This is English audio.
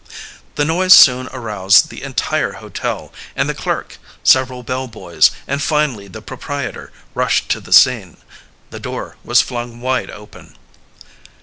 The noise soon aroused the entire hotel, and the clerk, several bell boys, and finally the proprietor, rushed to the scene. The door was flung wide open.